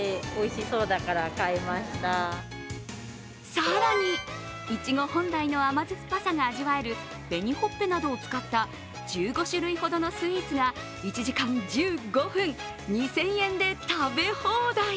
更に、いちご本来の甘酸っぱさが味わえる紅ほっぺなどを使った１５種類ほどのスイーツが１時間１５分、２０００円で食べ放題。